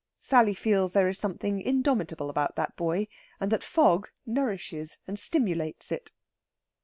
Sally feels there is something indomitable about that boy, and that fog nourishes and stimulates it.